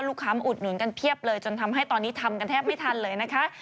ลูกค้ามาอุดหนุนกันเพียบเลยจนทำให้ตอนนี้ทำกันแทบไม่ทันเลยนะคะ